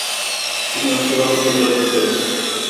তিনি অসাধারণ খ্যাতি অর্জন করেছিলেন ।